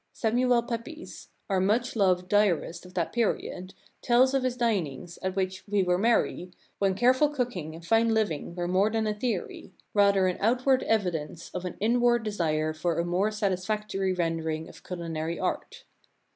Samuel Pepys, our much loved diarist of that period, tells of his dinings, at which "We Celtic Cup were merry," when careful cooking Serpent handle and fine living were more than a theory, rather an outward evidence of an inward desire for a more satisfactory rendering of culinary art.